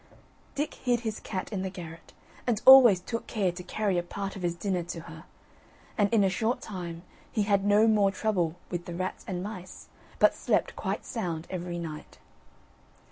Dick hid his cat in the garret, and always took care to carry a part of his dinner to her; and in a short time he had no more trouble with the rats and mice, but slept quite sound every night.